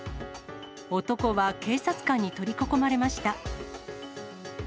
男は警察官に取り囲まれました。